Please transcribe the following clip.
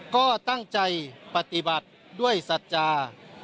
ก็ตั้งใจปฏิบัติด้วยสัจจา